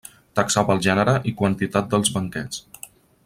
Taxava el gènere i quantitat dels banquets.